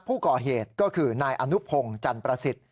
ผู้ก่อเหตุก็คือนายอนุพงศ์จันประสิทธิ์